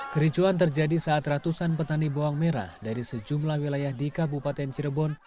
kericuan terjadi saat ratusan petani bawang merah dari sejumlah wilayah di kabupaten cirebon